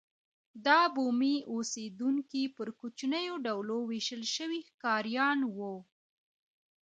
دا بومي اوسېدونکي پر کوچنیو ډلو وېشل شوي ښکاریان وو.